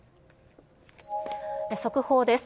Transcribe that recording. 速報です。